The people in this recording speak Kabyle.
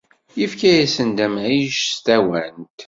Ifka-asen-d amɛic s tawant.